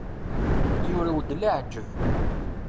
Yurew-d leɛǧeb.